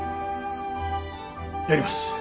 やります。